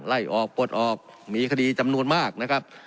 ไล่ออกปลดออกมีคดีจำนวนมากนะครับ